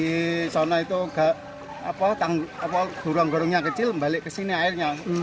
di zona itu apalagi gurung gurungnya kecil balik ke sini airnya